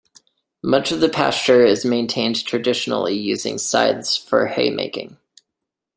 Much of the pasture is maintained traditionally using scythes for hay making.